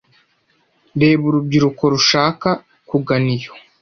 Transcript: reba urubyiruko rushaka; kugana iyo